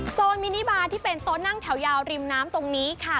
มินิบาที่เป็นโซนนั่งแถวยาวริมน้ำตรงนี้ค่ะ